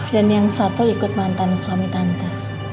dan yang satu ikut mantan suami tante